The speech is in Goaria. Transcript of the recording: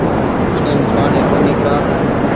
ايم پآڻيٚ ڪونيٚ ڪآ